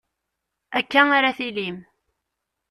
Akka ara tillim.